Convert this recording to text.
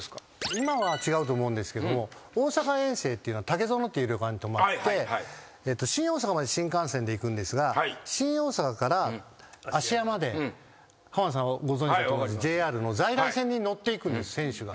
今は違うと思うんですけども大阪遠征っていうのは竹園っていう旅館に泊まって新大阪まで新幹線で行くんですが新大阪から芦屋まで浜田さんはご存じかと思うんですがＪＲの在来線に乗って行くんです選手が。